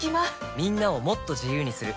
みんなをもっと自由にする「三菱冷蔵庫」